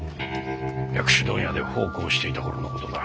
薬種問屋で奉公をしていた頃の事だ。